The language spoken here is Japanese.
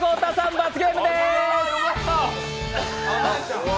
罰ゲームです。